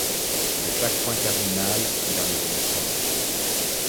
De chaque point cardinal, il en est venu cent.